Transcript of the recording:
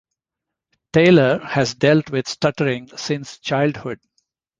Taylor has dealt with stuttering since childhood.